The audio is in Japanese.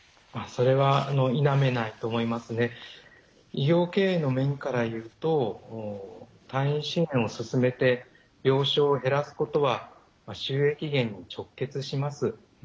医療経営の面からいうと退院支援を進めて病床を減らすことは収益減に直結します。